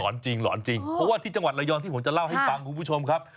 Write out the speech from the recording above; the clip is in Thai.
จริงหลอนจริงเพราะว่าที่จังหวัดระยองที่ผมจะเล่าให้ฟังคุณผู้ชมครับ